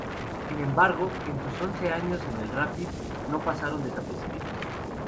Sin embargo, en sus once años en el Rapid, no pasaron desapercibidos.